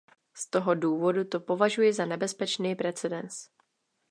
Z toho důvodu to považuji za nebezpečný precedens.